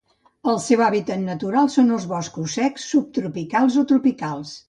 El seu hàbitat natural són els boscos secs subtropicals o tropicals.